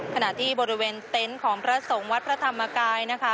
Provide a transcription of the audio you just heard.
ขณะที่บริเวณเต็นต์ของพระสงฆ์วัดพระธรรมกายนะคะ